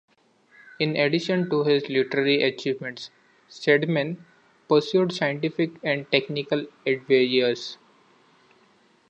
In addition to his literary achievements, Stedman pursued scientific and technical endeavors.